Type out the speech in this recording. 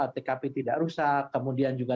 tkp tidak rusak kemudian juga